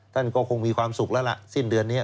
ท่านก็คงมีความสุขแล้วล่ะสิ้นเดือนนี้